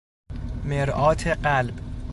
مرآت قلب